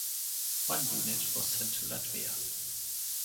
One unit was sent to Latvia.